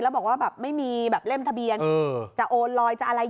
แล้วบอกว่าแบบไม่มีแบบเล่มทะเบียนจะโอนลอยจะอะไร